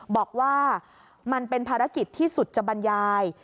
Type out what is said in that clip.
บอกว่ามันเป็นภารกิจที่สุดจะบรรยาย